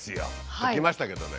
解けましたけどね。